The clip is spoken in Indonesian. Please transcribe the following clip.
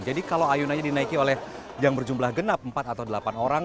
jadi kalau ayunannya dinaiki oleh yang berjumlah genap empat atau delapan orang